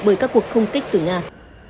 bởi các cuộc không kích từ nga